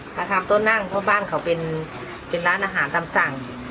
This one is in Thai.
ถ้าทำต้นนั่งพ่อบ้านเขาเป็นเป็นร้านอาหารตามสั่ง